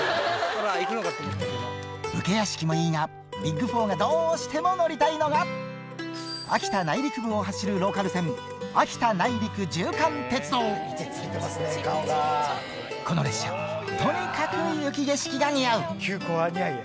武家屋敷もいいが、ＢＩＧ４がどうしても乗りたいのが、秋田内陸部を走るローカル線、この列車、とにかく雪景色が似合う。